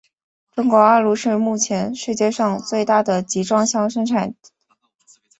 中国大陆是目前世界上最大的集装箱生产地。